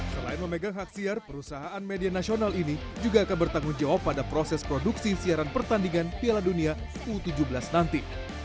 selain memegang hak siar perusahaan media nasional ini juga akan bertanggung jawab pada proses produksi siaran pertandingan piala dunia u tujuh belas nanti